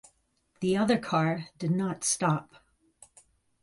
The other car did not stop.